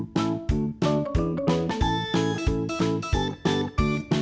หาลังกฎ